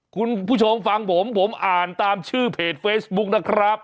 คุณผู้ชมฟังผมผมอ่านตามชื่อเพจเฟซบุ๊คนะครับ